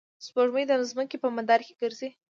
سپوږمۍ د ځمکې په مدار کې ګرځي.